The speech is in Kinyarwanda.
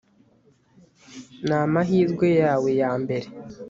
ni amahirwe yawe ya mbere